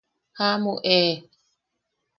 ¡Jaʼamu e!